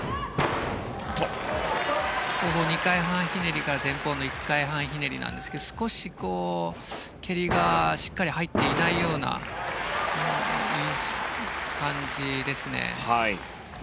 後方の２回半ひねりから前方の１回半ひねりなんですが少し蹴りがしっかり入っていないような感じですね。